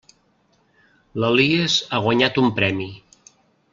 L'Elies ha guanyat un premi!